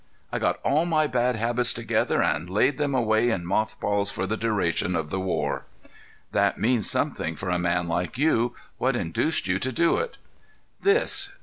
I got all my bad habits together and laid them away in moth balls for the duration of the war." "That means something for a man like you. What induced you to do it?" "This."